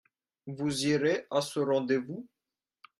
Vous irez à ce rendez-vous ?